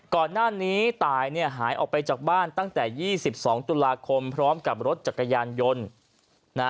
ก่อนหน้านี้ตายเนี่ยหายออกไปจากบ้านตั้งแต่๒๒ตุลาคมพร้อมกับรถจักรยานยนต์